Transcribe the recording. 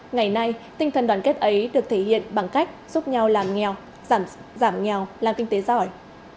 ngày nay tinh thần đoàn kết ấy được thể hiện bằng cách giúp nhau làm nghèo giảm nghèo làm kinh tế giỏi